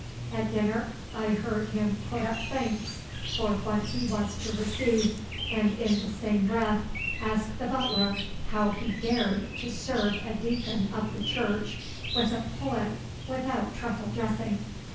At dinner I heard him put up thanks for what he was to receive, and in the same breath ask the butler how he dared to serve a deacon of the Church with a pullet without truffle dressing.